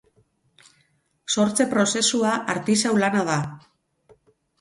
Sortze prozesua artisau-lana da.